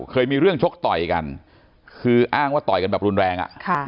เคยมีเรื่องชกต่อยกันคืออ้างว่าต่อยกันแบบรุนแรง